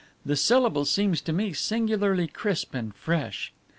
The syllable seems to me singularly crisp and fresh.